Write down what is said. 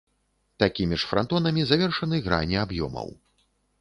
Такімі ж франтонамі завершаны грані аб'ёмаў.